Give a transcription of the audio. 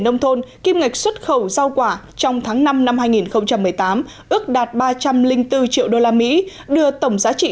nông thôn kim ngạch xuất khẩu rau quả trong tháng năm năm hai nghìn một mươi tám ước đạt ba trăm linh bốn triệu usd đưa tổng giá trị